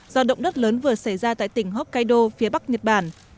do động đất lớn vừa xảy ra tại tỉnh hokkaido phía bắc nhật bản